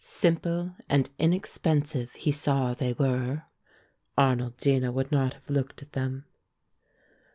Simple and inexpensive he saw they were. Arnoldina would not have looked at them.